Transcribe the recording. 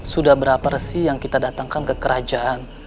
sudah berapa resi yang kita datangkan ke kerajaan